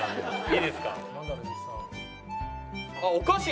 いいですか？